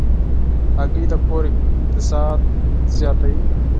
هګۍ د کور اقتصاد قوي کوي.